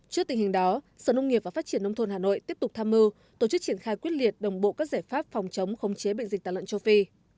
trước tình hình đó sở nông nghiệp và phát triển nông thôn hà nội tiếp tục tham mưu tổ chức triển khai quyết liệt đồng bộ các giải pháp phòng chống khống chế bệnh dịch tả lợn châu phi